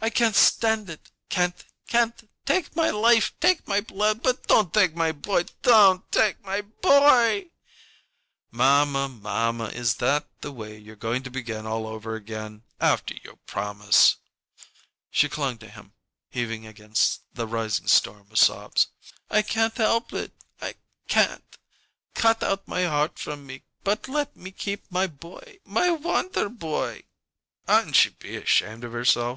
"I can't stand it! Can't! Can't! Take my life take my blood, but don't take my boy don't take my boy " "Mamma, mamma, is that the way you're going to begin all over again, after your promise?" She clung to him, heaving against the rising storm of sobs. "I can't help it can't! Cut out my heart from me, but let me keep my boy my wonderboy " "Oughtn't she be ashamed of herself?